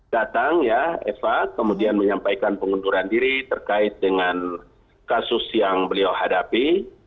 datang ya eva kemudian menyampaikan pengunduran diri terkait dengan kasus yang beliau hadapi